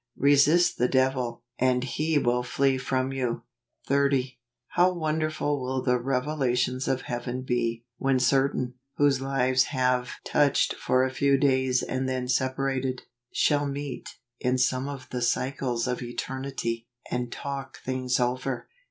"Resist the devil , and he will flee from you." 96 AUGUST. 30. How wonderful will the revelations of Heaven be, when certain, whose lives have touched for a few days and then separated, shall meet, in some of the cycles of eter¬ nity, and talk things over